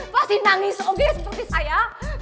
pasti nangis oke seperti saya